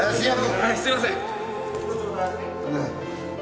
はいすみません！